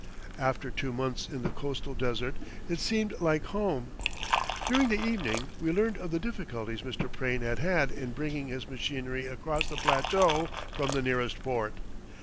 After two months in the coastal desert it seemed like home. During the evening we learned of the difficulties Mr. Prain had had in bringing his machinery across the plateau from the nearest port.